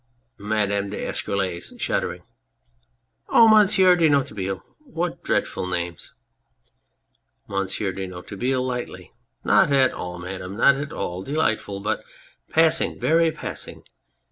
MADAME D'ESCUROLLES (shuddering). Oh ! Monsieur de Noiretable ! What dreadful names ! MONSIEUR DE NOIRETABLE (lightly). Not at all, Madame ! Not at all ! Delightful !... but passing, very passing